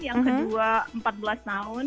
yang kedua empat belas tahun